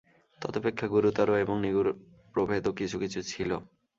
তদপেক্ষা গুরুতর এবং নিগূঢ় প্রভেদও কিছু কিছু ছিল।